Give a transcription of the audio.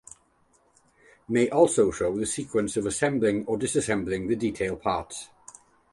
May also show the sequence of assembling or disassembling the detail parts.